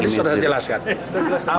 tadi sudah dijelaskan